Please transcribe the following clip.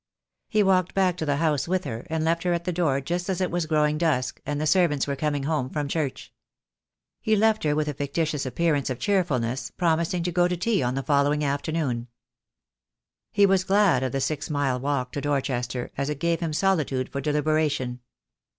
He walked back to the house with her, and left her at the door just as it was growing dusk, and the servants were coming home from church. He left her with a fictitious appearance of cheerfulness, promising to go to tea on the following afternoon. He was glad of the six mile walk to Dorchester, as it gave him solitude for deliberation.